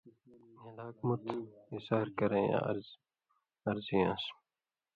ہِلاک مُت ہِسار کرَیں یاں غرضی آن٘س۔